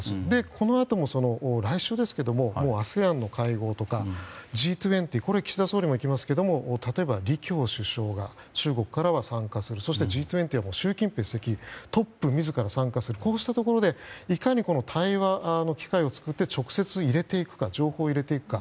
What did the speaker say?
このあとも来週にＡＳＥＡＮの会合とか、Ｇ２０岸田総理も行きますが李強首相が中国からは参加するそして、Ｇ２０からは習主席トップ自ら参加するこうしたところでいかに対話の機会を作って直接情報を入れていくか